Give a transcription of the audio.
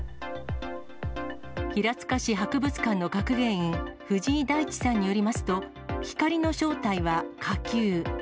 平塚市博物館の学芸員、藤井大地さんによりますと、光の正体は火球。